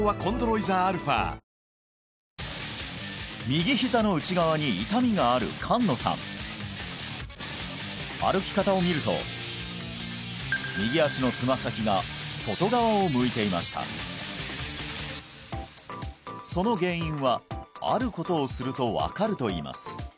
右ひざの内側に痛みがある歩き方を見ると右足のつま先が外側を向いていましたその原因はあることをすると分かるといいます